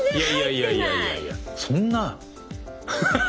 いやいやいやいやそんな。